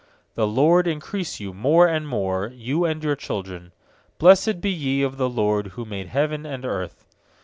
I4The LORD increase you more and more, You and your children. lfiBIessed be ye of the LORD, Who made heaven and earth.